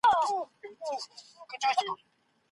که کورنۍ مورنۍ ژبه وهڅوي نو ایا د هویت احساس نه پیاوړی کېږي.